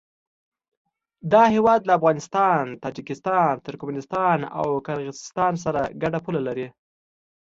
دا هېواد له افغانستان، تاجکستان، ترکمنستان او قرغیزستان سره ګډه پوله لري.